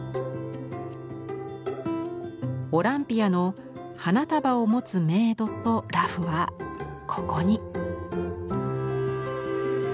「オランピア」の花束を持つメイドと裸婦はここに。